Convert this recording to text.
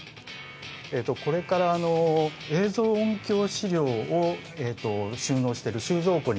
これから映像音響資料を収納してる収蔵庫の近くまで行きます。